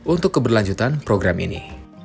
untuk keberlanjutan program ini